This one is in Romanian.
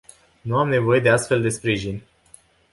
Nu am nevoie de astfel de sprijin.